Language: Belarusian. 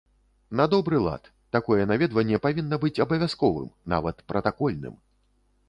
На добры лад, такое наведванне павінна быць абавязковым, нават пратакольным.